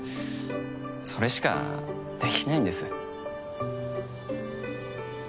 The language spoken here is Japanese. それしかできないんです。